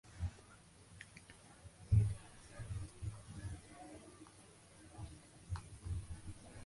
El juego fue pensado originalmente como un complemento de pistas para el "Wipeout" original.